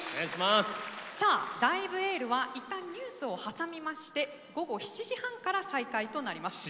さあ「ライブ・エール」は一旦ニュースを挟みまして午後７時半から再開となります。